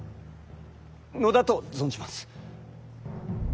のだと存じます。